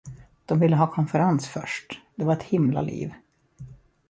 De ville ha konferens först, det var ett himla liv.